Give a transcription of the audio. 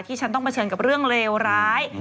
ฉันต้องเผชิญกับเรื่องเลวร้าย